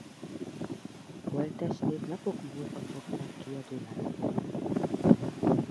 Holttestét napok múlva fogták ki a Dunából.